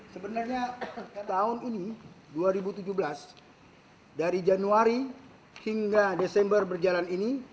sebenarnya tahun ini dua ribu tujuh belas dari januari hingga desember berjalan ini